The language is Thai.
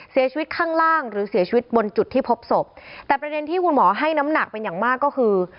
ข้างล่างหรือเสียชีวิตบนจุดที่พบศพแต่ประเด็นที่คุณหมอให้น้ำหนักเป็นอย่างมากก็คือ